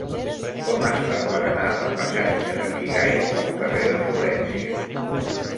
Com es fa per anar del passatge de Bigai al carrer de Florència?